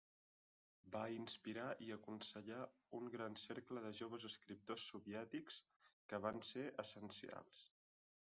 Va inspirar i aconsellar un gran cercle de joves escriptors soviètics que van ser essencials.